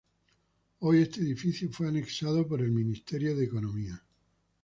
Hoy este edificio fue anexado por el Ministerio de Economía.